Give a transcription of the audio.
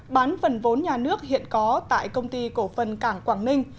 bán phần vốn nhà nước hiện có tại công ty cổ phần cảng quảng ninh